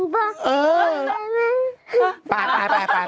โตะโตะโตะ